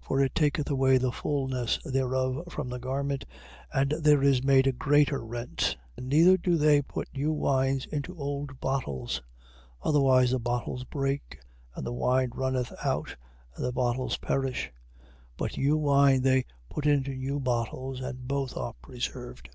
For it taketh away the fulness thereof from the garment, and there is made a greater rent. 9:17. Neither do they put new wine into old bottles. Otherwise the bottles break, and the wine runneth out, and the bottles perish. But new wine they put into new bottles: and both are preserved.